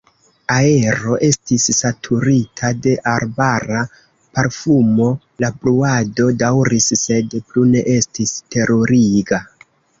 Aero estis saturita de arbara parfumo, la bruado daŭris, sed plu ne estis teruriga.